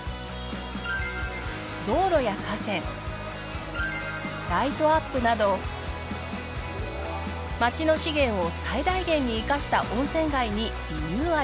道路や河川ライトアップなど町の資源を最大限に生かした温泉街にリニューアル。